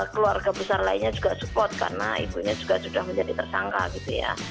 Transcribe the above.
keluarga besar lainnya juga support karena ibunya juga sudah menjadi tersangka gitu ya